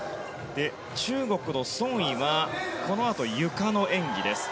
中国のソン・イはこのあと、ゆかの演技です。